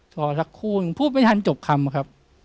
พอสักครู่ยังพูดไม่ทันจบคำครับ